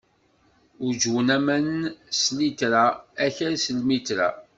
Uǧǧwen aman s llitra, akal s lmitra.